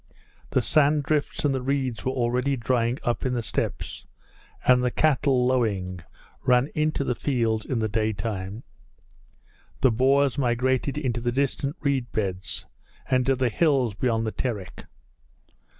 The sand drifts and the reeds were already drying up in the steppes, and the cattle, lowing, ran into the fields in the day time. The boars migrated into the distant reed beds and to the hills beyond the Terek.